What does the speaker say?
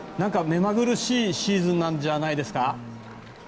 目まぐるしいシーズンなんじゃないですか？